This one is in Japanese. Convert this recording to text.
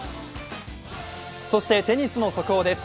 そしてテニスの速報です。